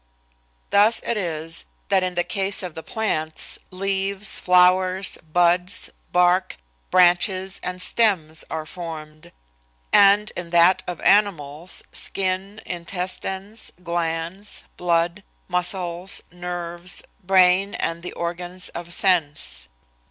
Thus it is that in the case of the plants leaves, flowers, buds, bark, branches and stems are formed, and in that of animals skin, intestines, glands, blood, muscles, nerves, brain and the organs of sense.